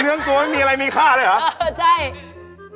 เรื่องตัวไม่มีอะไรมีค่าเลยเหรอ